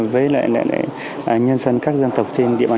với nhân dân các dân tộc